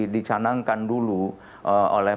dicanangkan dulu oleh